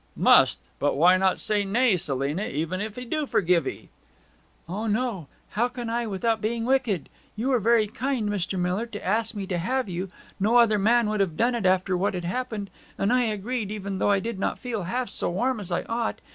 'Must! But why not say nay, Selina, even if he do forgive 'ee?' 'O no! How can I without being wicked? You were very very kind, Mr. Miller, to ask me to have you; no other man would have done it after what had happened; and I agreed, even though I did not feel half so warm as I ought.